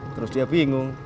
terus dia bingung